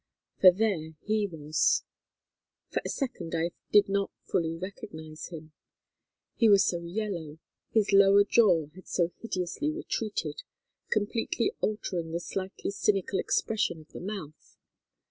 "For there he was. For a second I did not fully recognize him, he was so yellow, his lower jaw had so hideously retreated, completely altering the slightly cynical expression of the mouth.